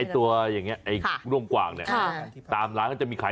ตัวอย่างนี้ไอ้ร่วงกวางเนี่ยตามร้านก็จะมีขาย